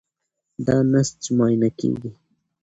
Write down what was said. دا نسج معاینه کېږي.